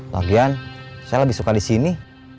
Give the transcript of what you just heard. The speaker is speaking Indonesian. lagian saya lebih suka di sini